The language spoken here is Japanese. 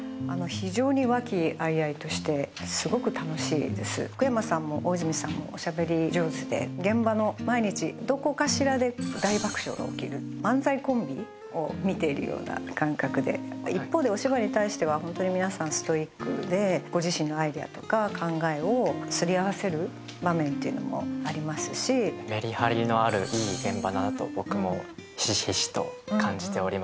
非常に和気あいあいとしてすごく楽しいです福山さんも大泉さんもおしゃべり上手で現場の毎日どこかしらで大爆笑が起きる漫才コンビを見ているような感覚で一方でお芝居に対してはホントに皆さんストイックでご自身のアイデアとか考えをすり合わせる場面っていうのもありますしメリハリのあるいい現場だなと僕もひしひしと感じております